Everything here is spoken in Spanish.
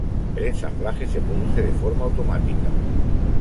El ensamblaje se produce de forma automática.